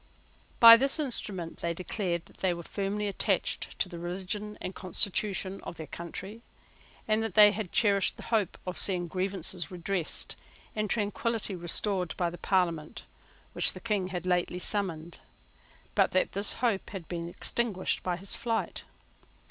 By this instrument they declared that they were firmly attached to the religion and constitution of their country, and that they had cherished the hope of seeing grievances redressed and tranquillity restored by the Parliament which the King had lately summoned, but that this hope had been extinguished by his flight.